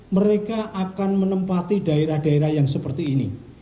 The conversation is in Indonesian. mereka akan menempati daerah daerah yang seperti ini